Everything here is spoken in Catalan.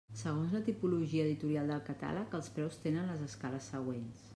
Segons la tipologia editorial del catàleg els preus tenen les escales següents.